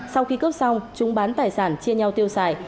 sau khi cướp xong chúng bán tài sản chia nhau tiêu xài